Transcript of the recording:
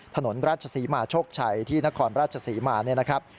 ถนนราชศรีมาโชคชัยที่นครราชศรีมา